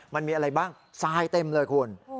มันมีอะไรบ้างทรายเต็มเลยคุณ